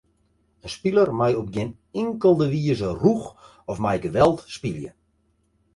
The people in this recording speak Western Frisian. In spiler mei op gjin inkelde wize rûch of mei geweld spylje.